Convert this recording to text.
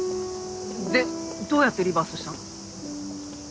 でどうやってリバースしたの？